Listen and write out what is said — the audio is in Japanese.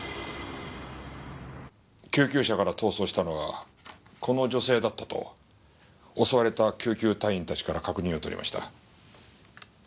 救急車から逃走したのはこの女性だったと襲われた救急隊員たちから確認を取りました。